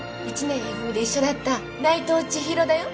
１年Ａ組で一緒だった内藤ちひろだよ。